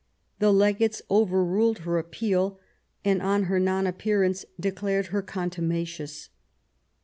The legates overruled her appeal, and on her non appearance declared her contumacious.